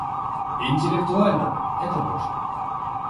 Интеллектуальном - это можно.